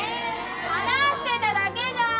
話してただけじゃーん。